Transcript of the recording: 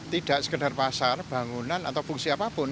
tidak sekedar pasar bangunan atau fungsi apapun